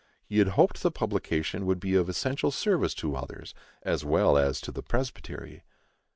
He hoped the publication would be of essential service to others, as well as to the presbytery.